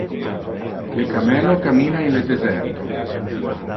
La camelo cammina in le deserto.